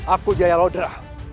aku jaya lodra